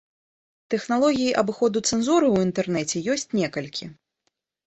Тэхналогій абыходу цэнзуры ў інтэрнэце ёсць некалькі.